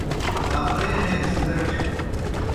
خاپرے ہے سِدڇھیْ